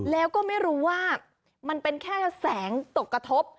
แล้วก็ไม่รู้ว่ามันเป็นแค่แสงตกกระทบ